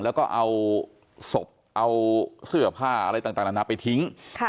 แล้วก็เอาศพเอาเสื้อผ้าอะไรต่างนานาไปทิ้ง